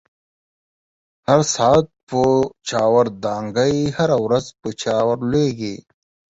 هر ساعت په چاور دانگی، هره ورځ په چا ورلویږی